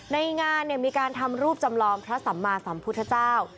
ในงานมีการทำรูปจำลองพระสัมมาสัมพุทธเจ้า